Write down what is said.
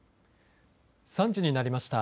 ３時になりました。